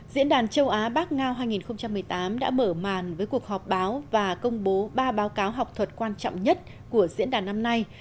diễn đàn châu á bắc ngao hai nghìn một mươi tám đã mở màn với cuộc họp báo và công bố ba báo cáo học thuật quan trọng nhất của diễn đàn năm nay